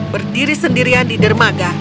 berdiri sendirian di dermaga